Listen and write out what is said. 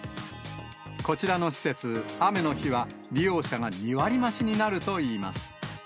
こちらの施設、雨の日は利用者が２割増しになるといいます。